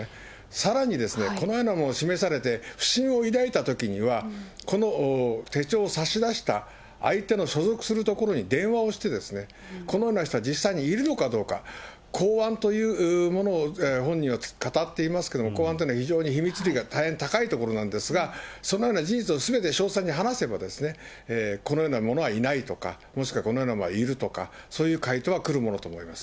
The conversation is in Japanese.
さらにですね、このようなものを示されて、不審を抱いたときには、この手帳を差し出した相手の所属する所に電話をして、このような人は実際にいるのかどうか、公安というものを本人はかたっていますけれども、公安というのは非常に秘密が大変高いものなんですが、そのような事実をすべて詳細に話せば、このような者はいないとか、もしくはこのような者はいるとか、そういう回答は来るものと思います。